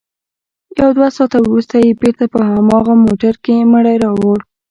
يو دوه ساعته وروسته يې بېرته په هماغه موټر کښې مړى راوړ.